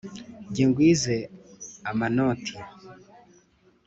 ge ngwize amanoti